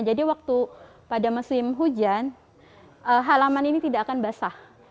jadi waktu pada musim hujan halaman ini tidak akan basah